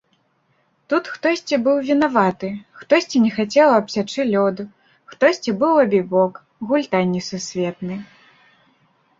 Тут хтосьці быў вінаваты, хтосьці не хацеў абсячы лёду, хтосьці быў абібок, гультай несусветны.